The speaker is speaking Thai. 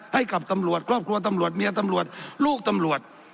ให้กับตำรวจครอบครัวตำรวจเมียตำรวจลูกตำรวจ